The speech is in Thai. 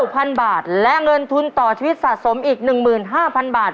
พันบาทและเงินทุนต่อชีวิตสะสมอีก๑๕๐๐๐บาท